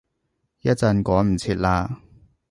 一陣趕唔切喇